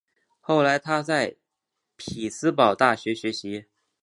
后来他在匹兹堡大学学习。